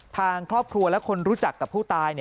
ทางครอบครัวและคนรู้จักกับผู้ตาย